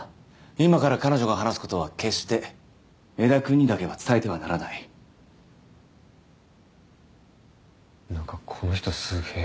今から彼女が話すことは決して江田君にだけは伝えてはならないなんかこの人すげえ